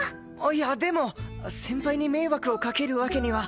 いやでも先輩に迷惑をかけるわけには。